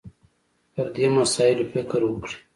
پر دې مسایلو فکر وکړي